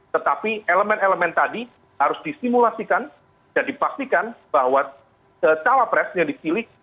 tetapi elemen elemen tadi harus disimulasikan dan dipastikan bahwa cawapres yang dipilih